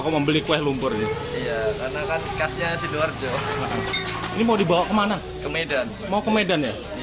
kau membeli kue lumpur ya karena kasnya si dorjoh ini mau dibawa ke mana ke medan mau ke medan ya